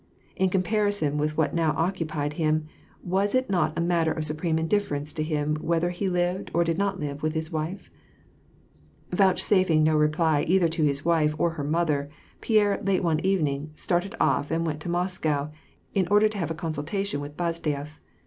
In comparison with what now occu pied him, was it not a matter of supreme indifference to him whether he lived or did not live with his wife ? Vouchsafing no reply either to his wife or her mother, Pierre, late one evening, started off and went to Moscow, in order to have a consultation with Bazdeyef.